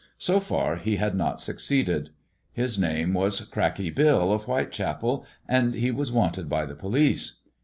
So far he had not succeeded. His name was Cracky Bill, of Whitechapel, and he was wanted by the police.